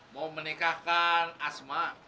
mau menikahkan asma